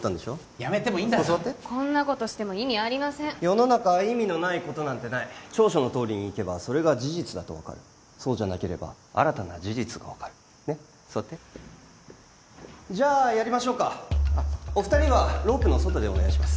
辞めてもいいんだぞあそこ座ってこんなことしても意味ありません世の中意味のないことなんてない調書のとおりにいけばそれが事実だと分かるそうじゃなければ新たな事実が分かるねっ座ってじゃあやりましょうかお二人はロープの外でお願いします